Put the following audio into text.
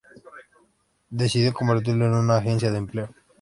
Decidió convertirlo en una agencia de empleo.